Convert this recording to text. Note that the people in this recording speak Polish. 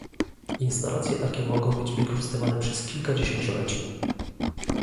Instalacje takie mogą być wykorzystywane przez kilka dziesięcioleci